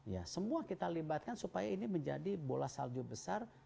ya semua kita libatkan supaya ini menjadi bola salju besar